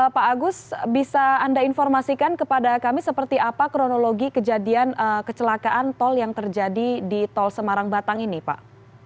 pak agus bisa anda informasikan kepada kami seperti apa kronologi kejadian kecelakaan tol yang terjadi di tol semarang batang ini pak